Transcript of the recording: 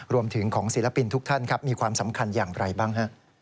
รวมถึงของศิลปินทุกท่านครับมีความสำคัญอย่างไรบ้างฮะ